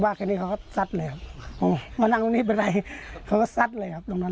ว่าแค่นี้เขาก็สัดเลยครับมานั่งตรงนี้เป็นไรเขาก็สัดเลยครับ